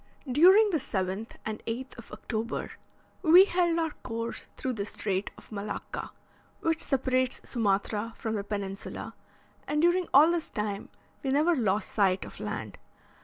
During the 7th and 8th of October, we held our course through the Strait of Malacca, which separates Sumatra from the peninsula, and during all this time we never lost sight of land.